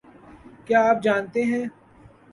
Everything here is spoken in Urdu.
کیا آپ جانتے ہیں